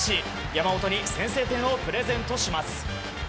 山本に先制点をプレゼントします。